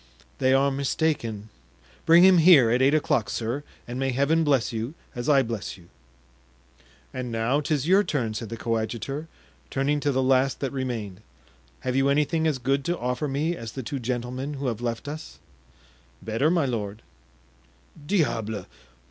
"They are mistaken; bring him here at eight o'clock, sir, and may Heaven bless you as I bless you!" "And now 'tis your turn," said the coadjutor, turning to the last that remained; "have you anything as good to offer me as the two gentlemen who have left us?" "Better, my lord." "Diable!